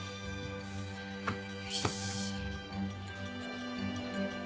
よし。